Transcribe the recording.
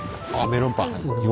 メロンパン。